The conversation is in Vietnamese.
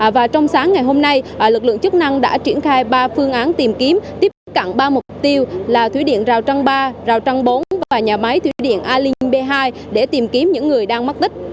và trong sáng ngày hôm nay lực lượng chức năng đã triển khai ba phương án tìm kiếm tiếp tiếp cận ba mục tiêu là thủy điện rào trăng ba rào trăng bốn và nhà máy thủy điện alin b hai để tìm kiếm những người đang mất tích